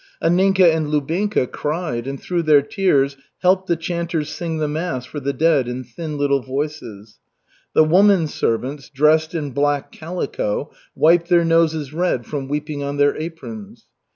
Anninka and Lubinka cried and through their tears helped the chanters sing the mass for the dead in thin little voices. The woman servants, dressed in black calico, wiped their noses red from weeping on their aprons.